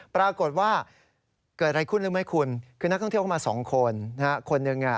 ปรากฏว่าเกิดอะไรขึ้นหรือไม่ขึ้นคือนักท่องเที่ยวเข้ามาสองคน